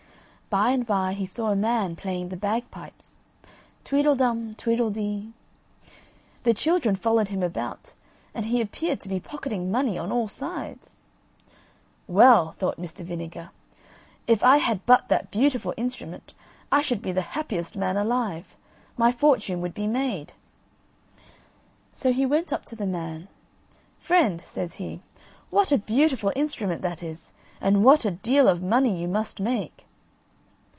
By and by he saw a man playing the bagpipes Tweedle dum tweedle dee. The children followed him about, and he appeared to be pocketing money on all sides. "Well," thought Mr. Vinegar, "if I had but that beautiful instrument I should be the happiest man alive my fortune would be made." So he went up to the man. "Friend," says he, "what a beautiful instrument that is, and what a deal of money you must make."